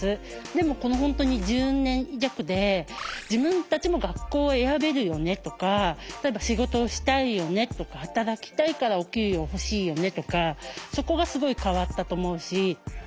でも本当に１０年弱で自分たちも学校選べるよねとか例えば仕事をしたいよねとか働きたいからお給料欲しいよねとかそこがすごい変わったと思うし。